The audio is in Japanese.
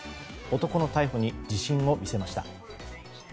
男の逮捕に自信を見せました。